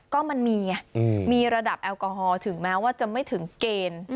ก็มันมีไงมีระดับแอลกอฮอลถึงแม้ว่าจะไม่ถึงเกณฑ์